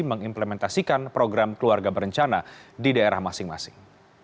mengimplementasikan program keluarga berencana di daerah masing masing